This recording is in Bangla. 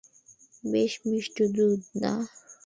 বেশ মিষ্টি দুধ, না?